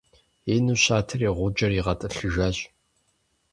Ину щатэри, гъуджэр игъэтӀылъыжащ.